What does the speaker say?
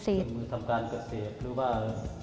เป็นมือทำการเกษตรหรือว่า